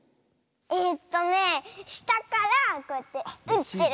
えっとねしたからこうやってうってる。